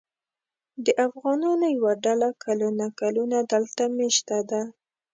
د افغانانو یوه ډله کلونه کلونه دلته مېشته ده.